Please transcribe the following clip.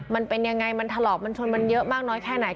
มันเป็นยังไงมันถลอกมันชนมันเยอะมากน้อยแค่ไหน